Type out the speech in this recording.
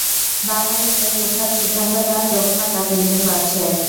বাংলাদেশে হুটহাট সিদ্ধান্ত নেওয়ার প্রবণতা দিন দিন বাড়ছে।